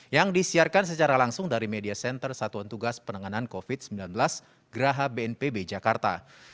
yang disiarkan secara langsung dari media center satuan tugas penanganan covid sembilan belas graha bnpb jakarta